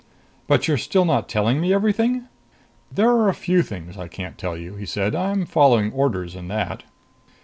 "But you're still not telling me everything?" "There're a few things I can't tell you," he said. "I'm following orders in that."